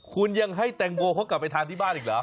คุณยังให้แตงโมเขากลับไปทานที่บ้านอีกเหรอ